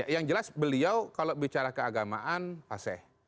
yang jelas beliau kalau bicara keagamaan aseh